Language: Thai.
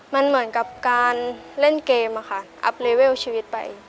มันเหมือนกับการเล่นเกมอะค่ะอัพเลเวลชีวิตไป